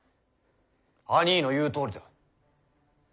あにぃの言うとおりだ。